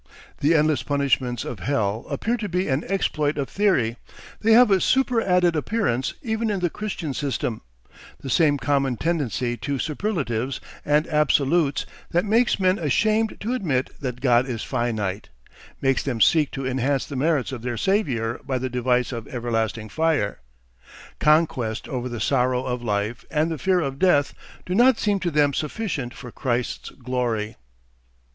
The endless punishments of hell appear to be an exploit of theory; they have a superadded appearance even in the Christian system; the same common tendency to superlatives and absolutes that makes men ashamed to admit that God is finite, makes them seek to enhance the merits of their Saviour by the device of everlasting fire. Conquest over the sorrow of life and the fear of death do not seem to them sufficient for Christ's glory.